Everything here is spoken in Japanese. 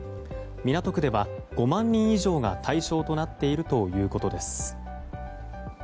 港区では５万人以上が対象となっているということです。